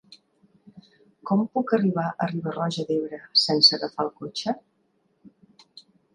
Com puc arribar a Riba-roja d'Ebre sense agafar el cotxe?